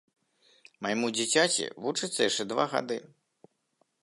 Майму дзіцяці вучыцца яшчэ два гады.